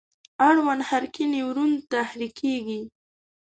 اړوند حرکي نیورون تحریکیږي.